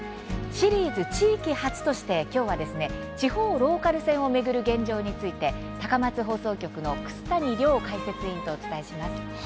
シリーズ地域発として今日は地方ローカル線を巡る現状について高松放送局の楠谷遼解説委員がお伝えします。